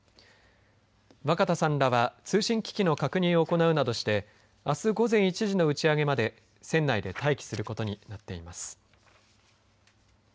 若田さんらは通信機器の確認を行うなどしてあす午前１時の打ち上げまで船内で待機することになっています。